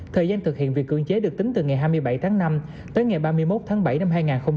thời gian thực hiện việc cưỡng chế được tính từ ngày hai mươi bảy tháng năm tới ngày ba mươi một tháng bảy năm hai nghìn hai mươi